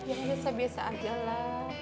ya biasa biasa aja lah